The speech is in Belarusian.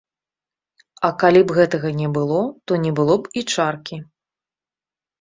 А калі б гэтага не было, то не было б і чаркі.